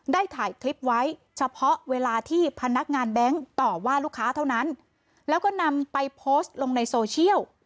ได้ถ่ายคลิปไว้เฉพาะเวลาที่พนักงานแบงค์ต่อว่าลูกค้าเท่านั้นแล้วก็นำไปโพสต์ลงในโซเชียล